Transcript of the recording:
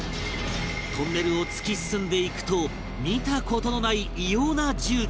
トンネルを突き進んでいくと見た事のない異様な重機が